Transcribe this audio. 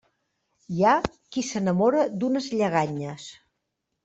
Hi ha qui s'enamora d'unes lleganyes.